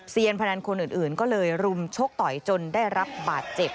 พนันคนอื่นก็เลยรุมชกต่อยจนได้รับบาดเจ็บ